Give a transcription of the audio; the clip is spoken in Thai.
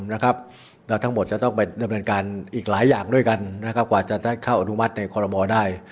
แล้วทั้งหมดจะต้องไปดำเนินการอีกหลายอย่างด้วยกันกว่าจะได้เข้าอนุมัติในคอรมอลได้